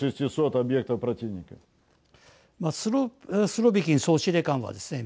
スロビキン総司令官はですね